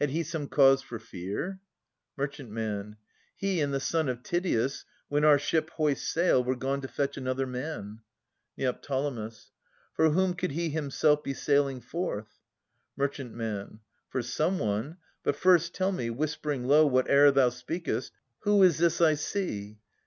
Had he some cause for fear ? Mer. He and the son of Tydeus, when our ship Hoist sail, were gone to fetch another man. Neo. For whom could he himself be sailing forth ? Mer. For some one, — but first tell me, whispering low Whate'er thou speakest, — who is this I see?